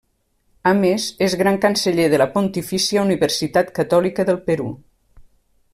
A més és Gran Canceller de la Pontifícia Universitat Catòlica del Perú.